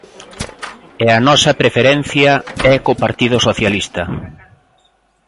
E a nosa preferencia é co Partido Socialista.